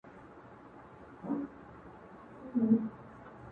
څښتن حیات مال يې میراث